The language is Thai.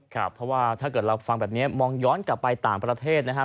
ครับเพราะว่าถ้าเกิดเราฟังแบบนี้มองย้อนกลับไปต่างประเทศนะครับ